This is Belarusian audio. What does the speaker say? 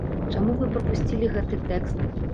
Чаму вы прапусцілі гэты тэкст?